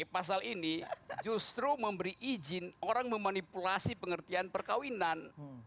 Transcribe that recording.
pasal ini justru memberi izin orang memanipulasi pengertian perkawinan